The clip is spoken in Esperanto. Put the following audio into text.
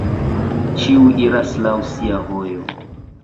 Ĉiu iras laŭ sia vojo!